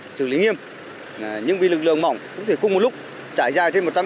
lực lượng linh nghiêm nhưng vì lực lượng mỏng cũng thể cùng một lúc trải dài trên một trăm linh km